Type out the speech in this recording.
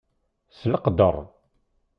S leqdeṛ!